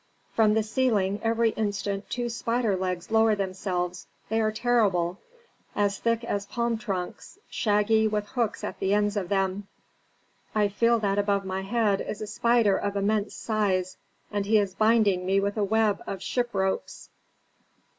"From the ceiling every instant two spider legs lower themselves they are terrible. As thick as palm trunks; shaggy with hooks at the ends of them. I feel that above my head is a spider of immense size, and he is binding me with a web of ship ropes."